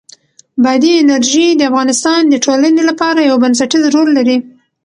بادي انرژي د افغانستان د ټولنې لپاره یو بنسټيز رول لري.